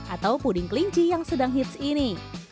atau puding kelinci yang sedang hits ini